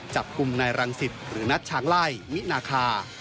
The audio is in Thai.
จับกลุ่มนายรังสิตหรือนัดช้างไล่มินาคา